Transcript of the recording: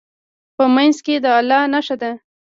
په منځ کې یې د الله نښه ده.